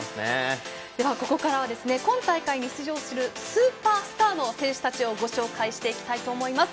ここからは今大会に出場するスーパースターの選手たちをご紹介していきたいと思います。